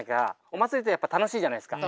お祭りってやっぱ楽しいじゃないですか。